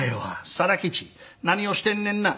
定吉何をしてんねんな。